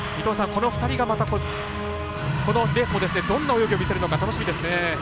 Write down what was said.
この２人が、このレースもどんな泳ぎを見せるのか楽しみですね。